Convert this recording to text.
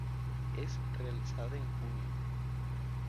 Es realizada en junio.